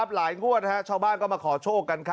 หลายงวดชาวบ้านก็มาขอโชคกัน